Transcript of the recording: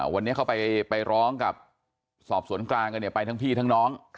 วันนี้เขาไปร้องกับสอบสวนกลางกันเนี่ยไปทั้งพี่ทั้งน้อง